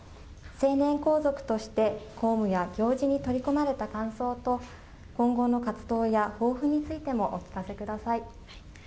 成年皇族として、公務や行事に取り組まれた感想と、今後の活動や抱負についてもお聞かせください。